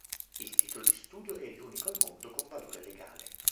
Il titolo di studio è l'unico al mondo con valore legale.